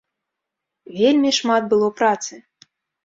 Вельмі шмат было працы.